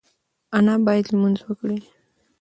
انا باید لمونځ وکړي.